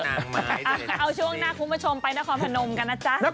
เอาช่วงหน้าคุณผู้ชมไปนครพนมกันนะจ๊ะ